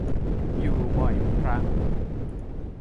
อยู่บ่อยครั้ง